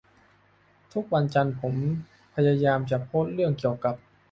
ทุกวันจันทร์ผมพยายามจะโพสเรื่องเกี่ยวกับ